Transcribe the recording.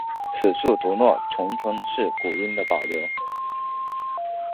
此处读若重唇是古音的保留。